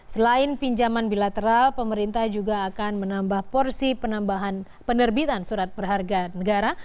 selain pinjaman bilateral pemerintah juga akan menambah porsi penerbitan surat perharga negara